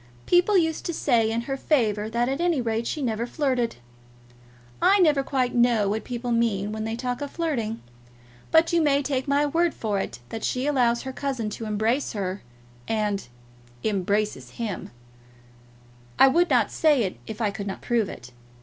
People used to say in her favour that at any rate she never flirted. I never quite know what people mean when they talk of flirting. But you may take my word for it that she allows her cousin to embrace her, and embraces him. I would not say it if I could not prove it.